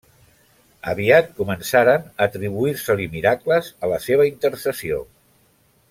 Aviat començaren a atribuir-se-li miracles a la seva intercessió.